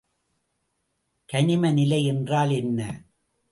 கணிம நிலை என்றால் என்ன?